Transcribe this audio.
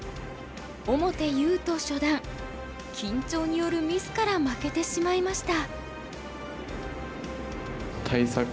緊張によるミスから負けてしまいました。